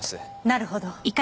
なるほど。